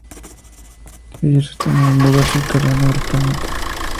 Ellos están en un lugar subterráneo del planeta.